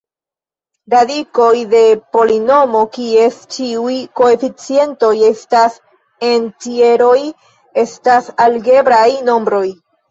Radikoj de polinomo, kies ĉiuj koeficientoj estas entjeroj, estas algebraj nombroj.